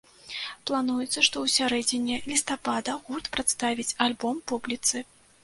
Плануецца, што ў сярэдзіне лістапада гурт прадставіць альбом публіцы.